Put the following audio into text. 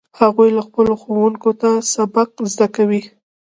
هغوی له خپلو ښوونکو نه سبق زده کوي